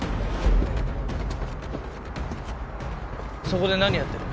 そこで何やってる？